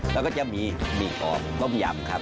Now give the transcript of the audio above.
แล้วก็จะมีมีกำโล่มยำครับ